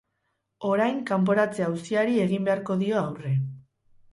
Orain kanporatze auziari egin beharko dio aurre.